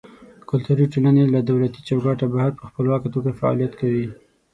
کلتوري ټولنې له دولتي چوکاټه بهر په خپلواکه توګه فعالیت کوي.